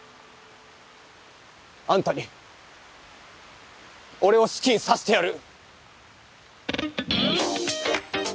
あんたに俺を好きにさせてやる！